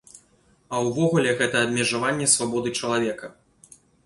А ўвогуле, гэта абмежаванне свабоды чалавека.